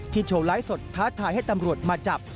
โชว์ไลฟ์สดท้าทายให้ตำรวจมาจับ